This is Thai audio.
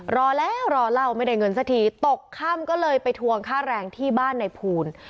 รอแล้วรอเล่าไม่ได้เงินสักทีตกค่ำก็เลยไปทวงค่าแรงที่บ้านในภูล